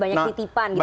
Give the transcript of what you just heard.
banyak hitipan gitu